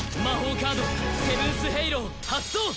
カードセブンス・ヘイロー発動！